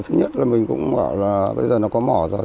thứ nhất là mình cũng bảo là bây giờ nó có mỏ rồi